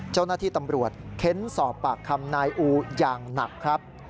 เจ้าหน้าที่ตำรวจเค้นสอบปากคำนายอูอย่างหนักครับ